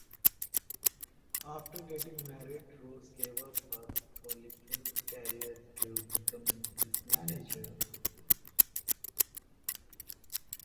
After getting married, Rose gave up her golfing career to become his manager.